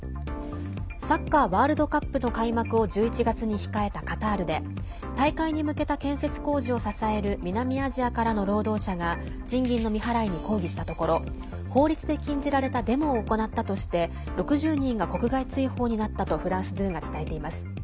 サッカーワールドカップの開幕を１１月に控えたカタールで大会に向けた建設工事を支える南アジアからの労働者が賃金の未払いに抗議したところ法律で禁じられたデモを行ったとして６０人が国外追放になったとフランス２が伝えています。